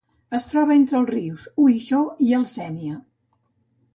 Es troba entre els rius Uixó i el Sénia.